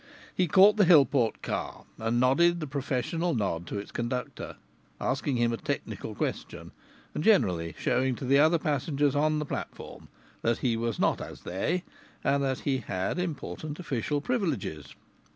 He caught the Hillport car, and nodded the professional nod to its conductor, asking him a technical question, and generally showing to the other passengers on the platform that he was not as they, and that he had important official privileges.